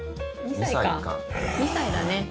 ２歳だね。